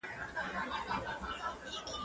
زه مينه نه څرګندوم،